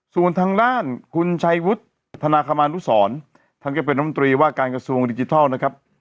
ส่วนทางด้านคุณชัยวุฒิธนาคมานุสรท่านก็เป็นน้ำตรีว่าการกระทรวงดิจิทัลนะครับ